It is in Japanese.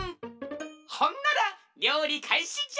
ほんならりょうりかいしじゃ！